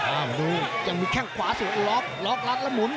อ้าวดูยังมีแค่งขวาสูงรอบล็อครอบรัสแล้วหมุน